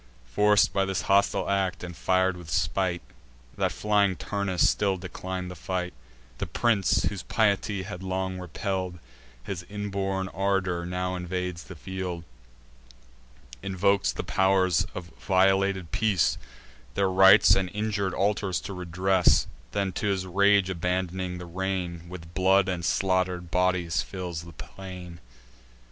Forced by this hostile act, and fir'd with spite, That flying Turnus still declin'd the fight, The Prince, whose piety had long repell'd His inborn ardour, now invades the field; Invokes the pow'rs of violated peace, Their rites and injur'd altars to redress; Then, to his rage abandoning the rein, With blood and slaughter'd bodies fills the plain.